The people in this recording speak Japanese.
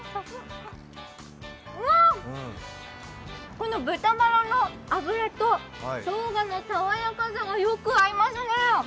この豚ばらの油としょうがの爽やかさがよく合いますね。